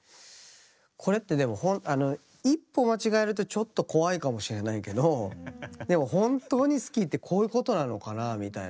これってでも一歩間違えるとちょっと怖いかもしれないけどでも本当に好きってこういうことなのかなみたいな。